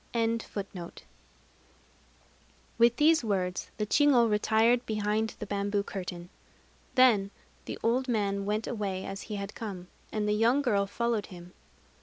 With these words, the chigo retired behind the bamboo curtain. Then the old man went away as he had come; and the young girl followed him.